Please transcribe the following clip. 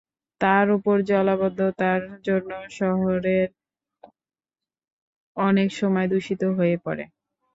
তার ওপর জলাবদ্ধতার জন্য শহরের পানি অনেক সময় দূষিত হয়ে পড়ে।